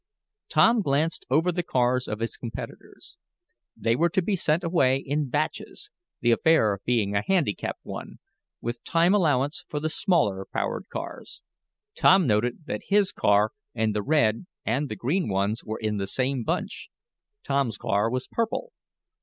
Tom glanced over the cars of his competitors. They were to be sent away in batches, the affair being a handicap one, with time allowance for the smaller powered cars. Tom noted that his car and the red and the green ones were in the same bunch. Tom's car was purple.